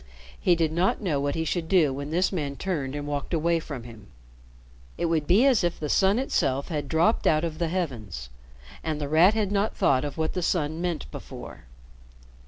He did not know what he should do when this man turned and walked away from him. It would be as if the sun itself had dropped out of the heavens and The Rat had not thought of what the sun meant before.